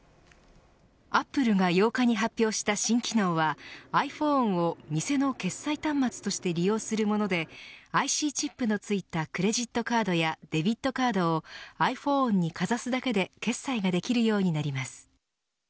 アップルが８日に発表した新機能はｉＰｈｏｎｅを店の決済端末として利用するものでＩＣチップのついたクレジットカードやデビットカードをｉＰｈｏｎｅにかざすだけで決済ができるようになります。